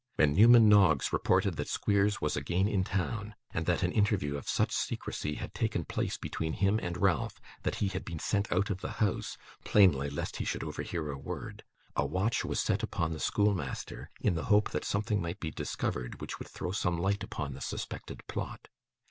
When Newman Noggs reported that Squeers was again in town, and that an interview of such secrecy had taken place between him and Ralph that he had been sent out of the house, plainly lest he should overhear a word, a watch was set upon the schoolmaster, in the hope that something might be discovered which would throw some light upon the suspected plot.